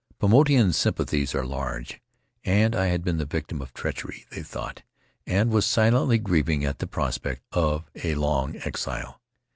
Paumotuan sympathies are large, and I had been the victim of treachery, they thought, and was silently grieving at the prospect of a long exile.